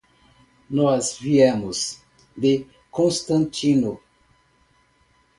Nós viemos de Constantino.